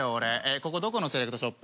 ここどこのセレクトショップ？